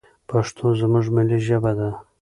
پښتو زموږ ملي ژبه ده.